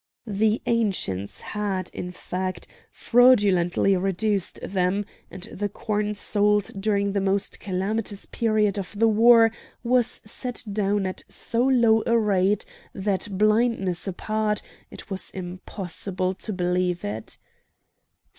The Ancients had, in fact, fraudulently reduced them, and the corn sold during the most calamitous period of the war was set down at so low a rate that, blindness apart, it was impossible to believe it.